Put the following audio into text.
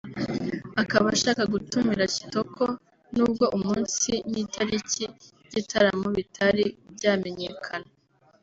akaba ashaka gutumira Kitoko n’ubwo umunsi n’itariki by’igitaramo bitari byamenyekana